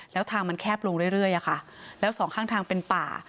แล้วทางมันแคบลงเรื่อยอะค่ะแล้วสองข้างทางเป็นป่า